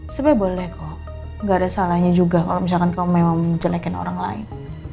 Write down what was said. sampai boleh kok nggak ada salahnya juga kalau misalkan kamu memang menjelekin orang lain